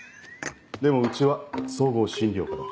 でもうちは総合診療科だ。